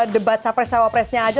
dibaca pres cawa presnya aja